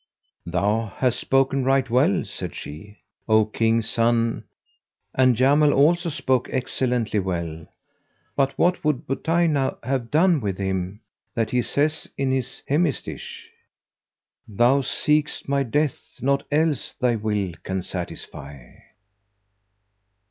"Thou hast spoken right well," said she, "O King's son, and Jamil also spoke excellently well. But what would Buthaynah have done with him that he saith in his hemistich, 'Thou seekst my death; naught else thy will can satisfy?'"